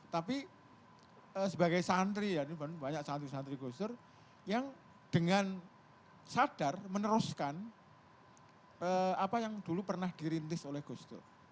tapi sebagai santri ya ini banyak santri santri gus dur yang dengan sadar meneruskan apa yang dulu pernah dirintis oleh gus dur